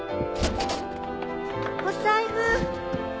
お財布。